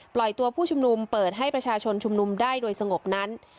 ปล่อยตัวผู้ชุมนุมเปิดให้ประชาชนชุมนุมได้โดยสงบนั้น